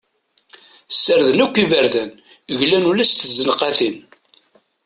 Ssarden akk iberdan, glan ula s tzenqatin.